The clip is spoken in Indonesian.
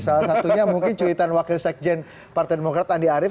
salah satunya mungkin cuitan wakil sekjen partai demokrat andi arief